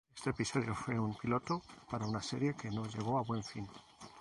Este episodio fue un piloto para una serie que no llegó a buen fin.